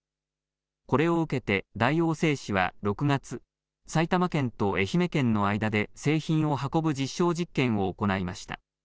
これを受けて大王製紙は６月、埼玉県と愛媛県の間で製品を運ぶ実証実験を行いました。